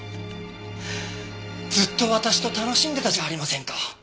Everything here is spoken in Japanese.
ずっと私と楽しんでたじゃありませんか。